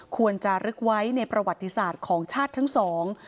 ควรจะลึกไว้ในประวัติศาสตร์ของชาติทั้งสอง